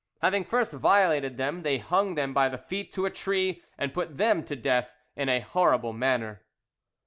Having first violated them, they hung them by the feet to a tree, and put them to death in a horrible manner."